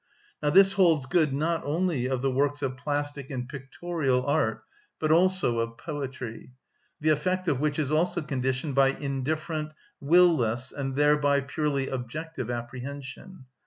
Now this holds good, not only of the works of plastic and pictorial art, but also of poetry; the effect of which is also conditioned by indifferent, will‐less, and thereby purely objective apprehension.